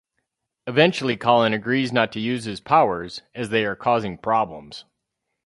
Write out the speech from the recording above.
Eventually Colin agrees not to use his powers, as they are causing problems.